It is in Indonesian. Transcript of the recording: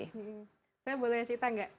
saya boleh cerita nggak